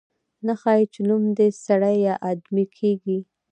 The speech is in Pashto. نه ښايي چې نوم دې سړی یا آدمي کېږدي.